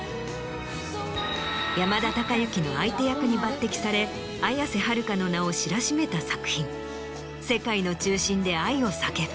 山田孝之の相手役に抜てきされ綾瀬はるかの名を知らしめた作品。